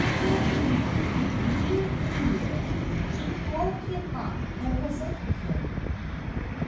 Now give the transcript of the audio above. Will Dana being conveniently near, she called him up and presented him.